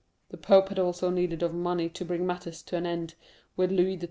The pope had also need of money to bring matters to an end with Louis XII.